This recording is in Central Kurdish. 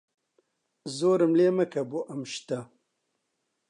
زۆرم لێ مەکە بۆ ئەم شتە.